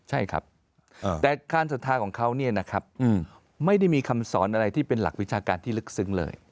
ใช่ครับแต่ความศรัทธาของเขาเนี่ยนะครับไม่ได้มีคำสอนอะไรที่เป็นหลักวิชาการที่ลึกซึ้งเลย